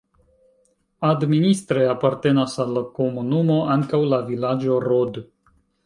Administre apartenas al la komunumo ankaŭ la vilaĝo Rod.